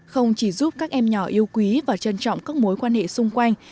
không chỉ giúp các em nhỏ yêu quý và trân trọng các mối quan hệ xung quanh